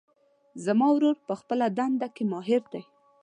زما ورور په خپلهدنده کې ماهر ده